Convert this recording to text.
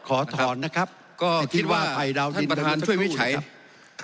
ขอถอนนะครับก็คิดว่าท่านประธานช่วยวิชัยครับ